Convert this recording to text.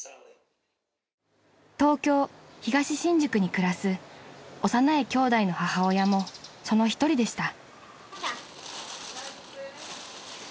［東京東新宿に暮らす幼いきょうだいの母親もその一人でした］